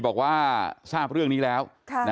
บอกว่าทราบเรื่องนี้แล้ว